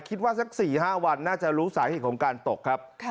สัก๔๕วันน่าจะรู้สาเหตุของการตกครับ